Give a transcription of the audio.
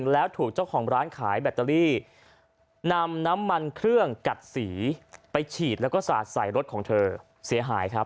แล้วรถเขาเสียหายแบบนี้